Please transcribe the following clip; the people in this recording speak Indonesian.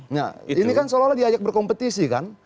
nah ini kan seolah olah diajak berkompetisi kan